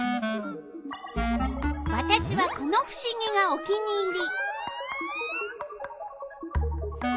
わたしはこのふしぎがお気に入り！